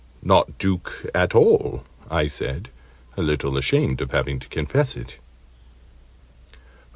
"Not Duke at all," I said, a little ashamed of having to confess it.